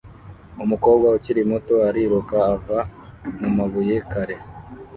Umukobwa ukiri muto ariruka ava mumabuye kare